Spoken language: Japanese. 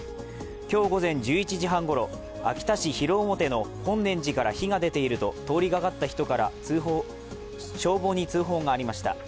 今日午前１１時半ごろ秋田広面の本念寺から火が出ていると通りがかった人から消防に通報がありました。